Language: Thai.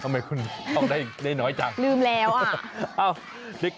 ทำไมคุณท่องได้หน่อยจังลืมแล้ว